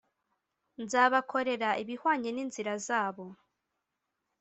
nzabakorera ibihwanye n inzira zabo